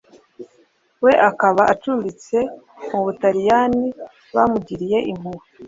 we akaba acumbitse mu baturanyi bamugiriye impuhwe